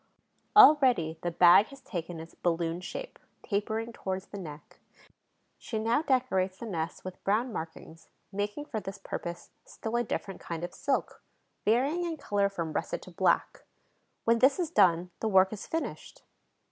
Already the bag has taken its balloon shape, tapering towards the neck. She now decorates the nest with brown markings, making for this purpose still a different kind of silk, varying in color from russet to black. When this is done, the work is finished.